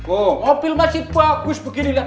oh mobil masih bagus beginilah